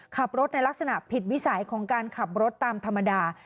ขับรถในลักษณะผิดวิสัยของการขับรถตามธรรมดา